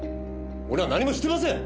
俺は何もしてません！